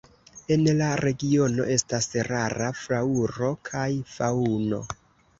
En la regiono estas rara flaŭro kaj faŭno.